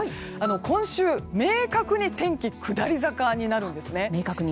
今週、明確に天気下り坂になるんですね。